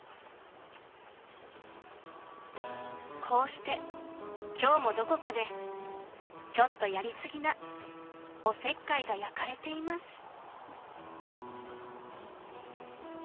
［こうして今日もどこかでちょっとやりすぎなおせっかいが焼かれています］